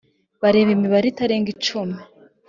bareba imibare itarenga icumi